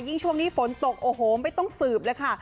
ช่วงนี้ฝนตกโอ้โหไม่ต้องสืบเลยค่ะ